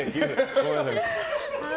ごめんなさい。